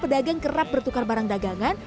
pedagang kerap bertukar barang dagangan